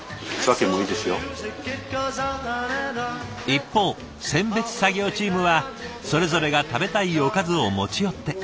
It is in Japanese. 一方選別作業チームはそれぞれが食べたいおかずを持ち寄って。